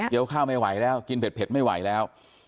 ข้าวไม่ไหวแล้วกินเผ็ดไม่ไหวแล้ว